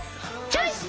チョイス！